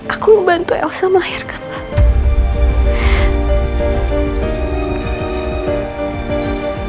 aku membantu elsa melahirkan aku